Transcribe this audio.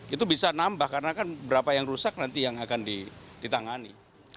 itu bisa nambah karena kan berapa yang rusak nanti yang akan ditangani